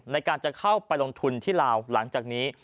ในการจะเข้าไปลงทุนที่ลาวหลังจากนี้